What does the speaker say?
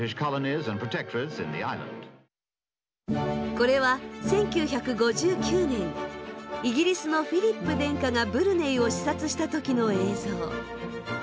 これは１９５９年イギリスのフィリップ殿下がブルネイを視察した時の映像。